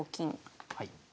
はい。